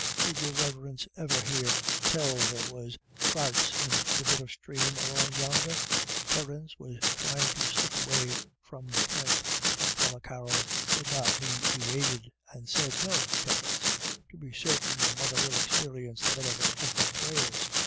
Did your Riverince iver hare tell there was troutses in the bit of sthrame along yonder ?" Terence was trying to slip away from the point, but Father Carroll would not be evaded, and said :" No, Terence ; to be certain your mother will experience the benefit of her prayers.